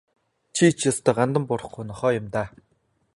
Чи ч ёстой гандан буурахгүй нохой юм даа.